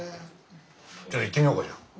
じゃ行ってみようかじゃあ。